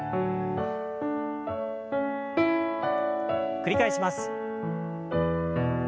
繰り返します。